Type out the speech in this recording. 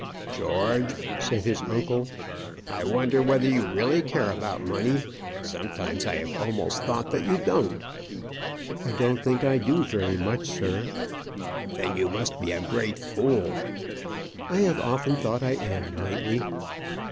"George," said his uncle, "I wonder whether you really care about money? sometimes I have almost thought that you don't." "I don't think I do very much, sir." "Then you must be a great fool." "I have often thought I am, lately."